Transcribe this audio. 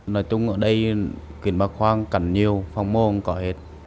nói chung ở đây kiến bạc khoang cản nhiều phòng mô không có hết